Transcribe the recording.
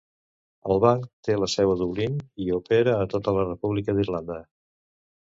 El banc té la seu a Dublín i opera a tota la República d'Irlanda.